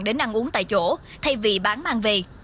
đến ăn uống tại chỗ thay vì bán mang về